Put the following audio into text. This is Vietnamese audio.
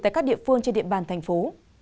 tại các địa phương trên địa bàn thành phố